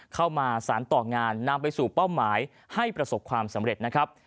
เข้ามาสารต่องานนำไปสู่เป้าหมายให้ประสบความสำเร็จนะครับ